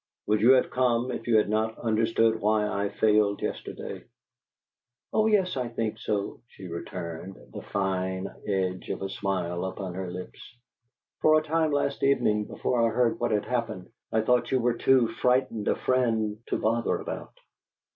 "Would you have come if you had not understood why I failed yesterday?" "Oh yes, I think so," she returned, the fine edge of a smile upon her lips. "For a time last evening, before I heard what had happened, I thought you were too frightened a friend to bother about."